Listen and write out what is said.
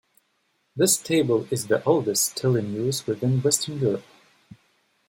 This stable is the oldest still in use within Western Europe.